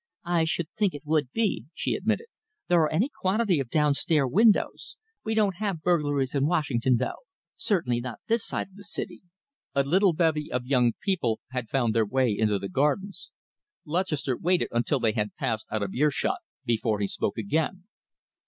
"I should think it would be," she admitted. "There are any quantity of downstair windows. We don't have burglaries in Washington, though certainly not this side of the city." A little bevy of young people had found their way into the gardens. Lutchester waited until they had passed out of earshot before he spoke again.